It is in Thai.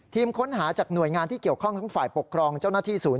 ค้นหาจากหน่วยงานที่เกี่ยวข้องทั้งฝ่ายปกครองเจ้าหน้าที่ศูนย์